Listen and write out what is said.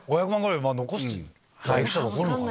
残るのかな。